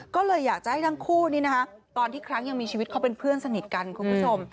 ก็เลยอยากจะให้ทั้งคู่นี้นะคะตอนที่ครั้งยังมีชีวิตเขาเป็นเพื่อนสนิทกันคุณผู้ชม